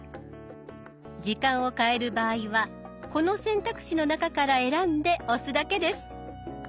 時間を変える場合はこの選択肢の中から選んで押すだけです。